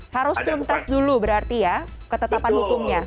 harus tuntas dulu berarti ya ketetapan hukumnya